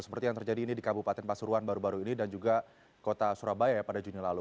seperti yang terjadi ini di kabupaten pasuruan baru baru ini dan juga kota surabaya pada juni lalu